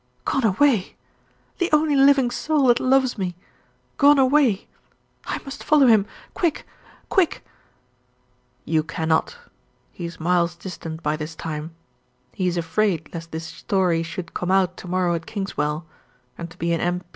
"Gone away! the only living soul that loves me. Gone away! I must follow him quick quick." "You cannot. He is miles distant by this time. He is afraid lest this story should come out to morrow at Kingswell; and to be an M.